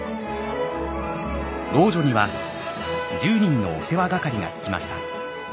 老女には１０人のお世話係がつきました。